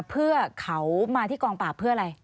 เพื่อเขามาที่กองปราบเพื่ออะไร